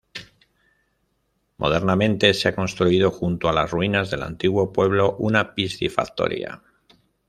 Modernamente se ha construido junto a las ruinas del antiguo pueblo una piscifactoría.